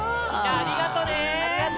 ・ありがとう。